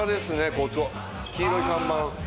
こっちの黄色い看板。